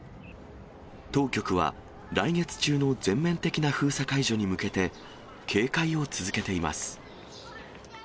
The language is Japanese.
当局は、来月中の全面的な封鎖解除に向けて、警戒を続けています。